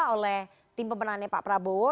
oleh tim pemenangnya pak prabowo